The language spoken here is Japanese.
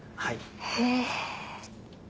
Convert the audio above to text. へぇ。